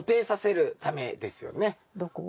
どこを？